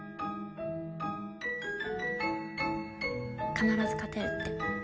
必ず勝てるって。